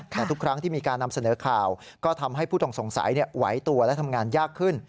แต่ทุกครั้งที่มีการนำเสนอข่าวก็ทำให้ผู้ต้องสงสัยไหวตัวและทำงานยากขึ้น